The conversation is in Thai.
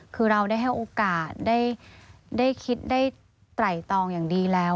คือเราได้ให้โอกาสได้คิดได้ไตรตองอย่างดีแล้ว